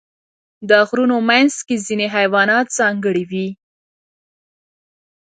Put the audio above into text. د غرونو منځ کې ځینې حیوانات ځانګړي وي.